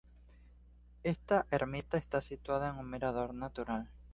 Esta ermita está situada en un mirador natural.